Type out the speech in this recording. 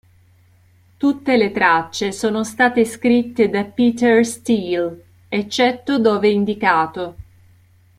Tutte le tracce sono state scritte da Peter Steele, eccetto dove indicato.